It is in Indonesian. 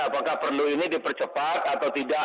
apakah perlu ini dipercepat atau tidak